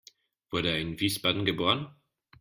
Wurde er in Wiesbaden geboren?